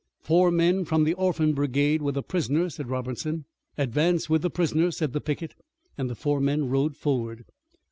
"Four men from the Orphan Brigade with a prisoner," said Robertson. "Advance with the prisoner," said the picket, and the four men rode forward.